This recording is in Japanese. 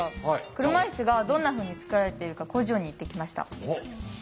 車いすがどんなふうに作られているか工場に行ってきました。